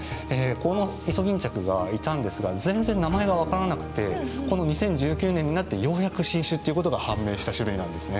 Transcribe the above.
このイソギンチャクがいたんですが全然名前が分からなくてこの２０１９年になってようやく新種っていうことが判明した種類なんですね。